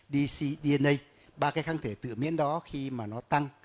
dc dna ba cái kháng thể tự miễn đó khi mà nó tăng